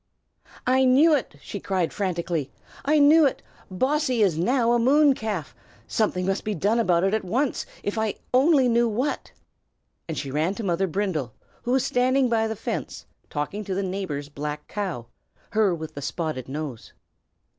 "I knew it!" she cried, frantically, "I knew it! Bossy is now a moon calf. Something must be done about it at once, if I only knew what!" And she ran to Mother Brindle, who was standing by the fence, talking to the neighbor's black cow, her with the spotted nose.